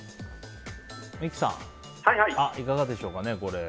三木さん、いかがでしょうか？